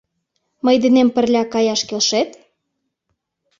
Мый денем пырля каяш келшет?